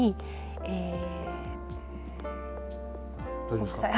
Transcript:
大丈夫ですか。